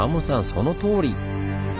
そのとおり！